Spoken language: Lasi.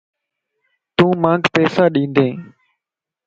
تو مانک پيسا ڏيندين